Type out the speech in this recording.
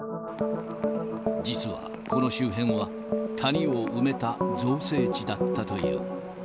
実は、この周辺は谷を埋めた造成地だったという。